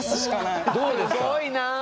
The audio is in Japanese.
すごいな。